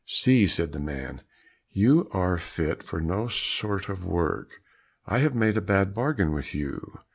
"See," said the man, "you are fit for no sort of work; I have made a bad bargain with you.